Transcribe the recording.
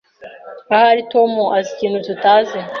Ahari Tom azi ikintu tutazi.